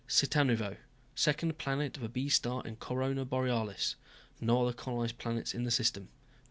"Cittanuvo. Second planet of a B star in Corona Borealis. No other colonized planets in the system."